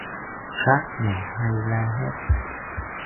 Tráp nhỏ hay la hét